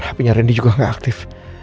tapinya randy juga gak aktif